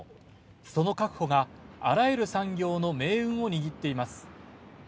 その確保があらゆる産業の命運を握っています。